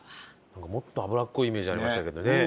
もっと脂っこいイメージありましたけどね。